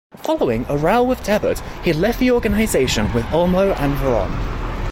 Following a row with Debord, he left the organisation with Olmo and Verrone.